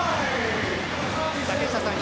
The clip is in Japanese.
竹下さん